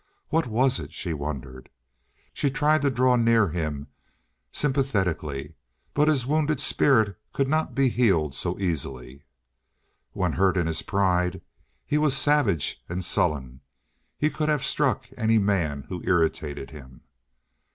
What was it, she wondered. She tried to draw near to him sympathetically, but his wounded spirit could not be healed so easily. When hurt in his pride he was savage and sullen—he could have struck any man who irritated him.